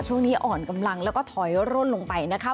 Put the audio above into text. ช่วงนี้อ่อนกำลังแล้วก็ถอยร่นลงไปนะคะ